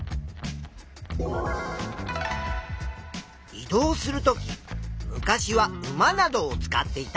移動するとき昔は馬などを使っていた。